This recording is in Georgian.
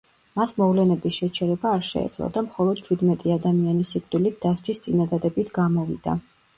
მას მოვლენების შეჩერება არ შეეძლო და მხოლოდ ჩვიდმეტი ადამიანის სიკვდილით დასჯის წინადადებით გამოვიდა.